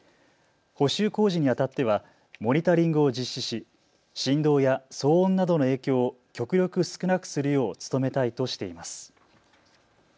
補修工事にあたってはモニタリングを実施し振動や騒音などの影響を極力少なくするよう努めたいとしています。